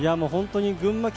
群馬県